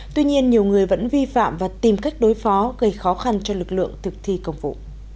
tuy nhiên nhiều người vẫn vi phạm và tìm cách đối phó gây khó khăn cho lực lượng thực thi công vụ